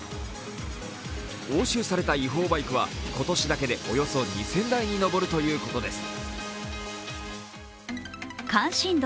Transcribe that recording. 押収された違法バイクは今年だけでおよそ２０００台に上るということです。